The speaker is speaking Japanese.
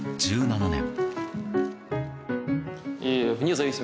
１７年。